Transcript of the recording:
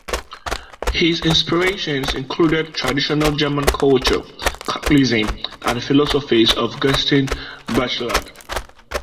His inspirations included traditional German culture, Catholicism and the philosophies of Gaston Bachelard.